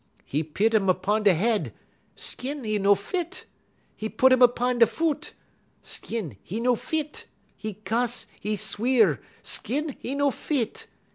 'E pit um 'pon 'e head; skin 'e no fit. 'E pit um 'pon 'e foot; skin 'e no fit. 'E cuss, 'e sweer; skin 'e no fit.